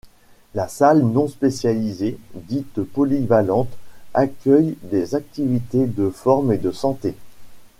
La salle non spécialisée, dite polyvalente, accueille des activités de forme et de santé.